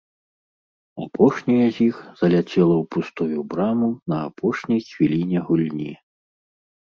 Апошняя з іх заляцела ў пустую браму на апошняй хвіліне гульні.